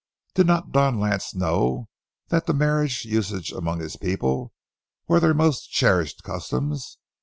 Did not Don Lance know that the marriage usages among his people were their most cherished customs?